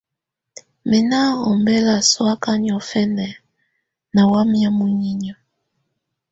Mɛ̀ nɔ̀ ɔmbela sɔ̀áka niɔ̀fɛna nà wamɛ̀á muninƴǝ́.